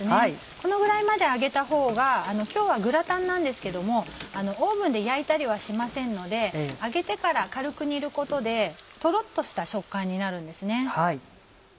このぐらいまで揚げたほうが今日はグラタンなんですけどもオーブンで焼いたりはしませんので揚げてから軽く煮ることでトロっとした食感になるんです。